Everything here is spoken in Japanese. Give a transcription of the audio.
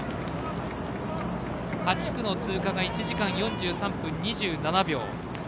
８区の通過が１時間４３分２７秒。